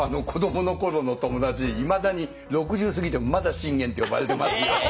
子どもの頃の友達にいまだに６０過ぎてもまだ信玄って呼ばれてますよ。